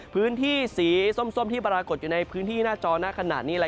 พื้นที่สีส้มที่ปรากฏอยู่ในพื้นที่หน้าจอหน้าขนาดนี้